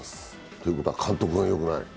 ということは監督がよくない？